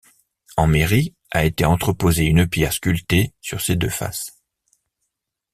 En mairie, a été entreposée une pierre sculptée sur ces deux faces.